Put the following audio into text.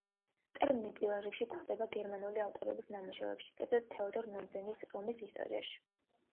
ტერმინი პირველ რიგში გვხვდება გერმანელი ავტორების ნამუშევრებში, კერძოდ, თეოდორ მომზენის რომის ისტორიაში.